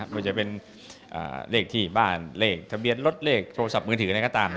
ไม่ว่าจะเป็นเลขที่บ้านเลขทะเบียนรถเลขโทรศัพท์มือถืออะไรก็ตาม